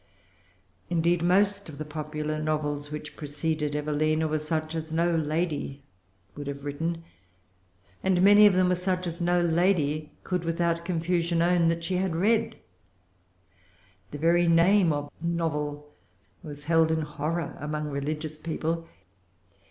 Indeed, most of the popular novels which preceded Evelina were such as no lady would have written; and many of them were such as no lady could without confusion own that she had read. The very name of novel was held in horror among religious people.